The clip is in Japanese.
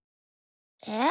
えっ？